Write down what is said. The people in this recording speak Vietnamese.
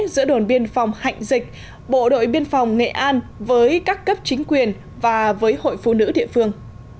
giữa đồn biên phòng hạnh dịch bộ đội biên phòng nghệ an với các cấp chính quyền và với hội phụ nữ địa phương